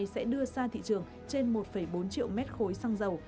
sẽ đưa ra thị trường trên một bốn triệu mét khối xăng dầu